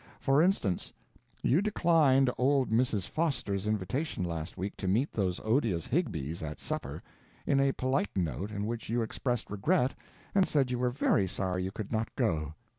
For instance, you declined old Mrs. Foster's invitation last week to meet those odious Higbies at supper in a polite note in which you expressed regret and said you were very sorry you could not go.